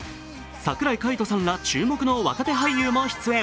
櫻井海音さんら注目の若手俳優も出演。